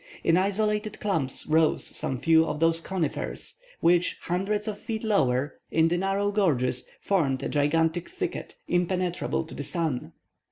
In isolated clumps rose some few of those conifers, which, some hundreds of feet lower, in the narrow gorges, formed a gigantic thicket, impenetrable to the sun.